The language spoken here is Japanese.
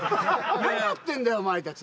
何やってんだよ、お前たち。